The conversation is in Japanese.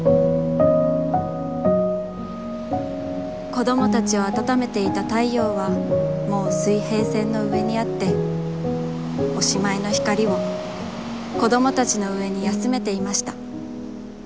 子どもたちをあたためていた太陽は、もう水平線の上にあって、おしまいの光を、子どもたちの上にやすめていました。